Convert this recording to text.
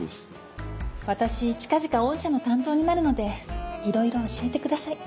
私近々御社の担当になるのでいろいろ教えてください。